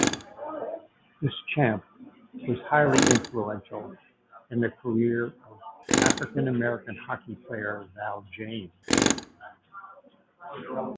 Deschamps was influential in the career of African American Hockey player Val James.